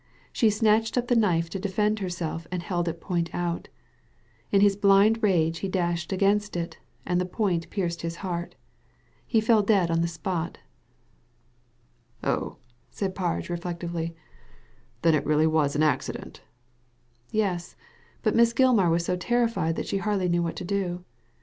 She snatched up the knife to defend herself, and held it point out In his blind rage he dashed against it, and the point pierced his heart He fell dead on the spot'* Oh," said Parge, reflectively, "then it was really an accident I "'' Yes ; but Miss Gilmar was so terrified that she hardly knew what to do.